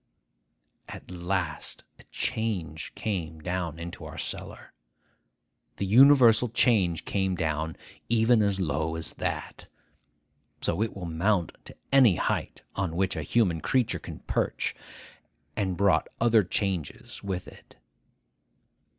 At last a change came down into our cellar. The universal change came down even as low as that,—so will it mount to any height on which a human creature can perch,—and brought other changes with it.